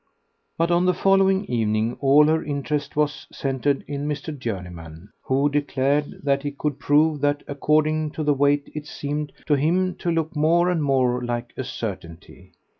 But on the following evening all her interest was centered in Mr. Journeyman, who declared that he could prove that according to the weight it seemed to him to look more and more like a certainty.